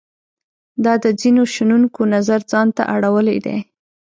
دا د ځینو شنونکو نظر ځان ته اړولای دی.